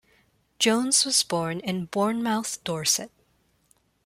Jones was born in Bournemouth, Dorset.